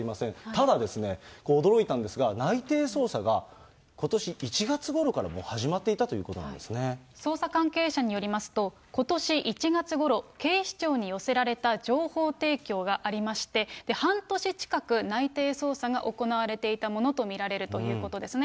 ただですね、これ、驚いたんですが、内偵捜査がことし１月ごろからもう始まっていたということな捜査関係者によりますと、ことし１月ごろ、警視庁に寄せられた情報提供がありまして、半年近く、内偵捜査が行われていたものと見られるということですね。